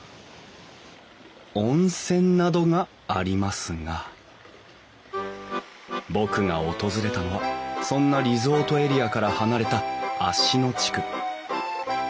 温泉などがありますが僕が訪れたのはそんなリゾートエリアから離れた芦野地区。